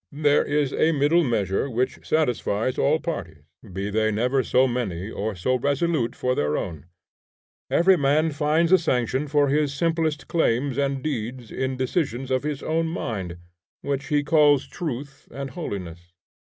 There is a middle measure which satisfies all parties, be they never so many or so resolute for their own. Every man finds a sanction for his simplest claims and deeds in decisions of his own mind, which he calls Truth and Holiness.